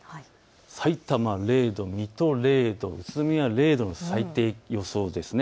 さいたま０度、水戸０度、宇都宮０度、最低予想です。